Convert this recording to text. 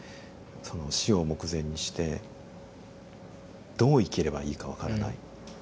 その死を目前にしてどう生きればいいか分からない。